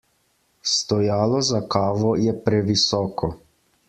Stojalo za kavo je previsoko.